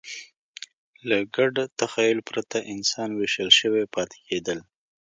له ګډ تخیل پرته انسانان وېشل شوي پاتې کېدل.